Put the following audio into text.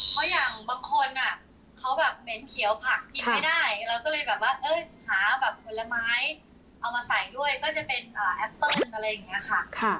เพราะอย่างบางคนเขาแบบเหม็นเขียวผักกินไม่ได้เราก็เลยแบบว่าหาแบบผลไม้เอามาใส่ด้วยก็จะเป็นแอปเปิ้ลอะไรอย่างนี้ค่ะ